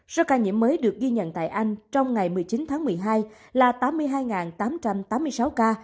số ca nhiễm mới được ghi nhận tại anh trong ngày một mươi chín tháng một mươi hai là tám mươi hai tám trăm tám mươi sáu ca